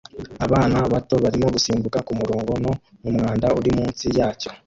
Abana bato barimo gusimbuka kumurongo no mumwanda uri munsi yacyo